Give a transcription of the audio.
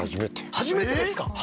初めてですか？